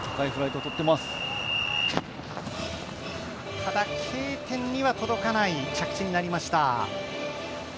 ただＫ点には届かない着地になりました。